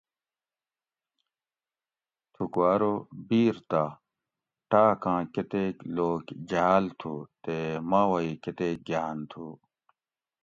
تھُکو ارو بِیر تہ ٹاۤکاں کٞتیک لوک جھاٞل تھُو تے ماوہ ای کٞتیک گاٞن تھُو